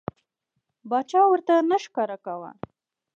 باچا ورته نه ښکاره کاوه.